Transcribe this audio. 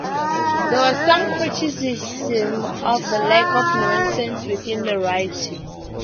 There was some criticism of the lack of nuance within the writing.